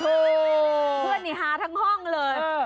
เพื่อนนี่ฮาทั้งห้องเลย